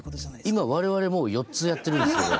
今我々もう４つやってるんですけど。